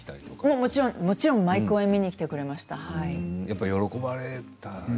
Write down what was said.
もちろん毎公演見に来てくれました。